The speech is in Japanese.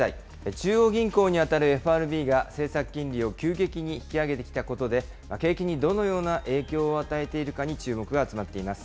中央銀行に当たるＦＲＢが政策金利を急激に引き上げてきたことで、景気にどのような影響を与えているかに注目が集まっています。